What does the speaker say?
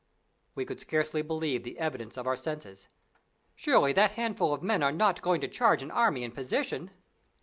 We could scarcely believe the evidence of our senses. Surely that handful of men are not going to charge an army in position?